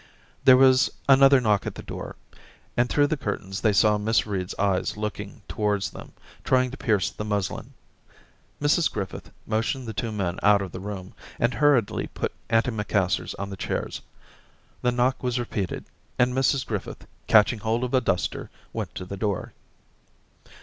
There was another knock at the door, and through the curtains they saw Miss Reed's eyes looking towards them, trying to pierce the muslin. Mrs Griffith motioned the two men out of the room, and hurriedly put antimacassars on the chairs. The knock was repeated, and Mrs Griffith, catching hold of a duster, went to the door.